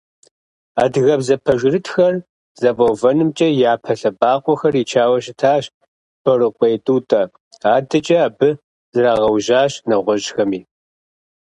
Адыгэбзэ пэжырытхэр зэфӏэувэнымкӏэ япэ лъэбакъуэхэр ичауэ щытащ Борыкъуей Тӏутӏэ, адэкӏэ абы зрагъэужьащ нэгъуэщӀхэми.